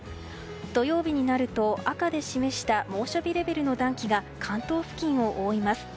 土曜日になると赤で示した猛暑日レベルの暖気が関東付近を覆います。